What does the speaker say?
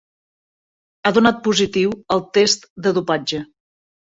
Ha donat positiu al test de dopatge.